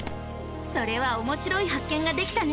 それはおもしろい発見ができたね！